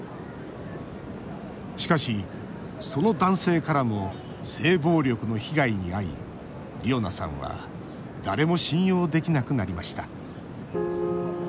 しかし、その男性からも性暴力の被害に遭いりおなさんは誰も信用できなくなりました。